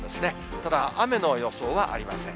ただ、雨の予想はありません。